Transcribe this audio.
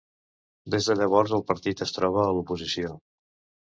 Des de llavors el partit es troba a l'oposició.